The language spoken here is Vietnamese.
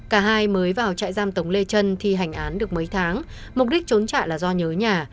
cả hai mới vào trại giam tống lê trân thi hành án được mấy tháng mục đích trốn trả là do nhớ nhà